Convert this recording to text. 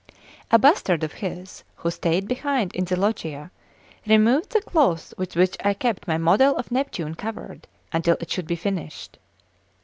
A bastard of his, who stayed behind in the Loggia, removed the cloths with which I kept my model of Neptune covered until it should be finished.